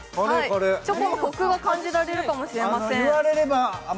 チョコのコクを感じられるかもしれません。